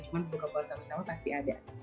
cuma buka puasa bersama pasti ada